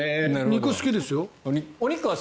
肉、好きですよ。